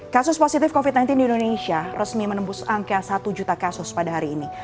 kasus positif covid sembilan belas di indonesia resmi menembus angka satu juta kasus pada hari ini